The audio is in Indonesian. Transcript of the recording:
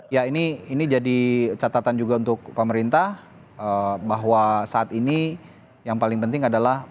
ya ini jadi catatan juga untuk pemerintah bahwa saat ini yang paling penting adalah